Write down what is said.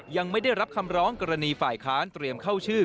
ยังไม่ได้รับคำร้องกรณีฝ่ายค้านเตรียมเข้าชื่อ